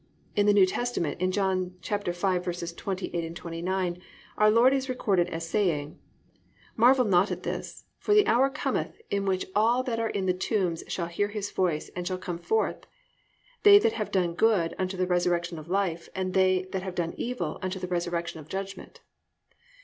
In the New Testament, in John 5:28, 29, our Lord is recorded as saying: +"Marvel not at this; for the hour cometh, in which all that are in the tombs shall hear His voice, and shall come forth; they that have done good, unto the resurrection of life; and they that have done evil, unto the resurrection of judgment."